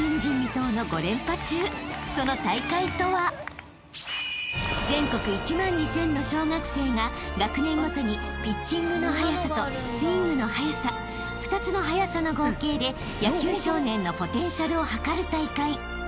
［その大会とは全国１万２，０００の小学生が学年ごとにピッチングの速さとスイングの速さ２つの速さの合計で野球少年のポテンシャルをはかる大会］